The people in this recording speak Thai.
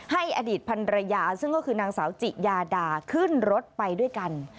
อดีตพันรยาซึ่งก็คือนางสาวจิยาดาขึ้นรถไปด้วยกัน